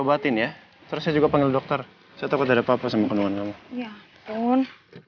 obatin ya terus saya juga panggil dokter saya takut ada apa apa sama kenuan kamu ya ampun